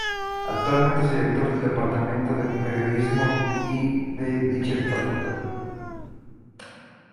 Actualmente es director del departamento de Periodismo I de dicha facultad.